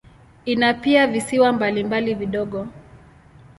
Ina pia visiwa mbalimbali vidogo.